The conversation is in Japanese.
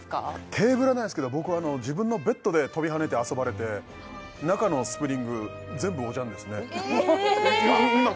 テーブルはないですけど僕は自分のベッドで跳びはねて遊ばれて中のスプリング全部おじゃんですねえっ